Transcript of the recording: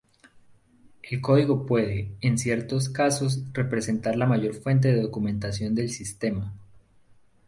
El código puede, en ciertos casos, representar la mayor fuente de documentación del sistema.